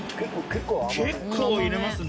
結構入れますね。